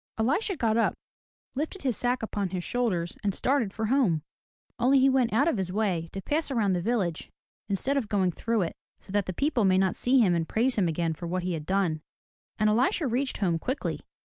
Elisha got up, lifted his sack upon his shoulders, and started for home. Only he went out of his way to pass around the village instead of going through it, so that the people might not see him and praise him again for what he had done. And Elisha reached home quickly.